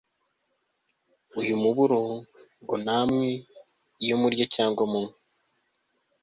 uyu muburo ngo Namwe iyo murya cyangwa munywa